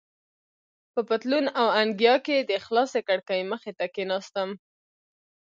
په پتلون او انګیا کې د خلاصې کړکۍ مخې ته کېناستم.